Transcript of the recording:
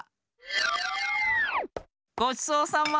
ごちそうさま。